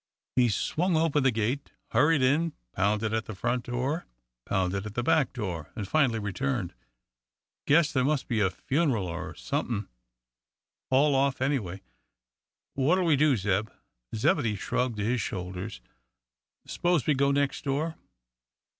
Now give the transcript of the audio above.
He swung open the gate, hurried in, pounded at the front door, pounded at the back door, and finally returned. "Guess there mus' be a funeral or somethin' all off, anyway. What'll we do, Zeb?" Zebedee shrugged his shoulders. "S'pose we go nex' door?"